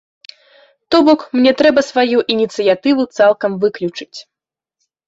То бок мне трэба сваю ініцыятыву цалкам выключыць.